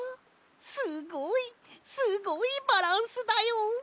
すごいすごいバランスだよ。